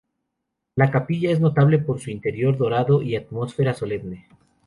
La capilla es notable por su interior dorado y atmósfera solemne.